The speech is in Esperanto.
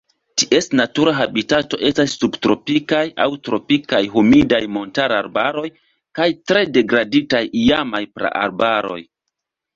Ties natura habitato estas subtropikaj aŭ tropikaj humidaj montararbaroj kaj tre degraditaj iamaj praarbaroj.